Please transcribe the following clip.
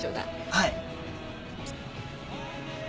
はい。